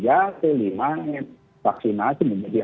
tiga atau lima tahun vaksinasi